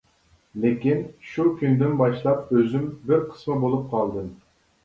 لېكىن، شۇ كۈندىن باشلاپ ئۆزۈم بىر قىسما بولۇپ قالدىم.